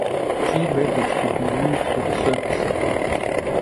Two methods could be used for the surfacing.